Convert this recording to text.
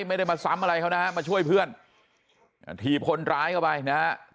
ไม่ได้มาซ้ำอะไรเขานะฮะมาช่วยเพื่อนถีบคนร้ายเข้าไปนะฮะ